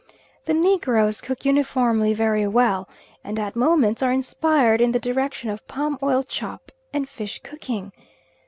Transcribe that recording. The Negroes cook uniformly very well, and at moments are inspired in the direction of palm oil chop and fish cooking.